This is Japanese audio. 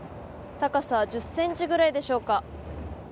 高さ１０ｃｍぐらいでしょうか。